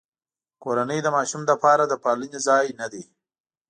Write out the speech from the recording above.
کورنۍ د ماشوم لپاره د پالنې ځای نه دی.